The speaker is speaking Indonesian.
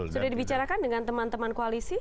sudah dibicarakan dengan teman teman koalisi